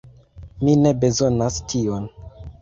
Mi ne bezonas tion.